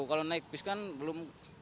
kalau naik bis kan belum